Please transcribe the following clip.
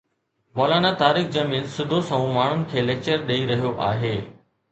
مولانا طارق جميل سڌو سنئون ماڻهن کي ليڪچر ڏئي رهيو آهي